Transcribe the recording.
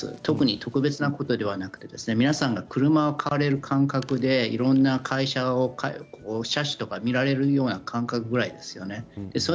特別なことではなくて皆さんが車を買われる感覚でいろんな会社や車種を見られるような感覚ぐらいですね。